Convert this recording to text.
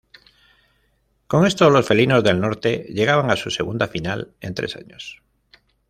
Con esto, los felinos del norte llegaban a su segunda final en tres años.